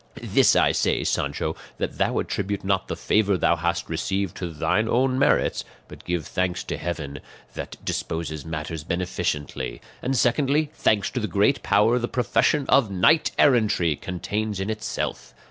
This I say, Sancho, that thou attribute not the favour thou hast received to thine own merits, but give thanks to heaven that disposes matters beneficently, and secondly thanks to the great power the profession of knight errantry contains in itself.